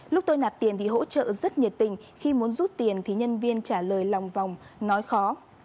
lúc tôi nạp tiền thì hỗ trợ rất nhiệt tình khi muốn rút tiền thì nhân viên trả lời lòng vòng nói khó